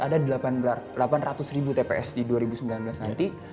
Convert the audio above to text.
ada delapan ratus ribu tps di dua ribu sembilan belas nanti